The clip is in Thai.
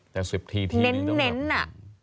แต่๑๐ทีนี่ต้องแบบเน้นน่ะ